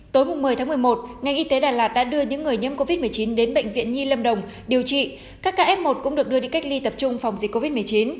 tối một mươi tháng một mươi một ngành y tế đà lạt đã đưa những người nhiễm covid một mươi chín đến bệnh viện nhi lâm đồng điều trị các ca f một cũng được đưa đi cách ly tập trung phòng dịch covid một mươi chín